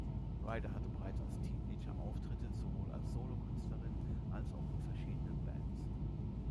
Ryder hatte bereits als Teenager Auftritte sowohl als Solokünstlerin als auch in verschiedenen Bands.